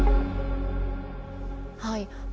はい。